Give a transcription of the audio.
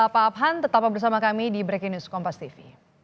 pak abhan tetap bersama kami di breaking news kompas tv